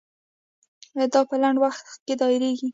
دا په لنډ وخت کې دایریږي.